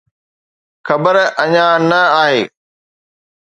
خبر اڃا نه آهي.